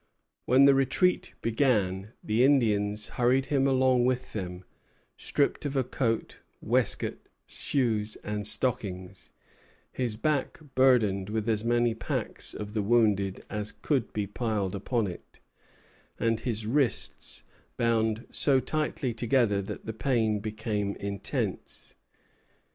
When the retreat began, the Indians hurried him along with them, stripped of coat, waistcoat, shoes, and stockings, his back burdened with as many packs of the wounded as could be piled upon it, and his wrists bound so tightly together that the pain became intense.